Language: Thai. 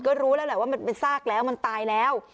ก็รู้แล้วว่ามันซากแล้วมันตายแล้ว